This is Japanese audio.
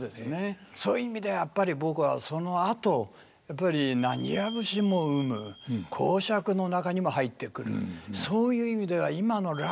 そういう意味ではやっぱり僕はそのあとやっぱり浪花節も生む講釈の中にも入ってくるそういう意味では今のラップにもねずっとつながっていく。